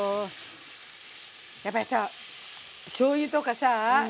やっぱりさしょうゆとかさ